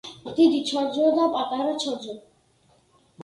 დიდი ჩორჯო და პატარა ჩორჯო.